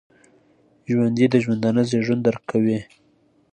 ژوندي د ژوندانه زیږون درک کوي